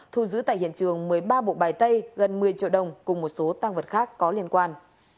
thu giữ tại hiện trường một mươi ba bộ bài tay gần một mươi triệu đồng cùng một số tăng vật khác có liên quan